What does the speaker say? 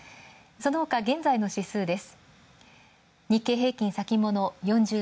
そのほか現在の指数です。